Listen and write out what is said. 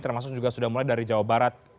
termasuk juga sudah mulai dari jawa barat